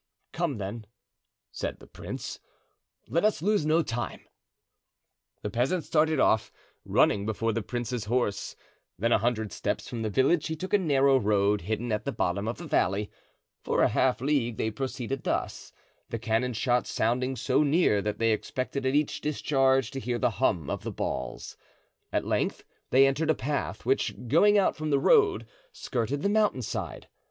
"Come, then," said the prince; "let us lose no time." The peasant started off, running before the prince's horse; then, a hundred steps from the village, he took a narrow road hidden at the bottom of the valley. For a half league they proceeded thus, the cannon shot sounding so near that they expected at each discharge to hear the hum of the balls. At length they entered a path which, going out from the road, skirted the mountainside.